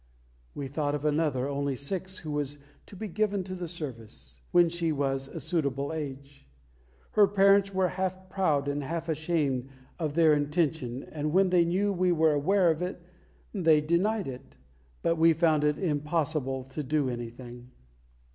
We thought of another, only six, who was to be given to the service "when she was a suitable age." Her parents were half proud and half ashamed of their intention; and when they knew we were aware of it, they denied it, and we found it impossible to do anything.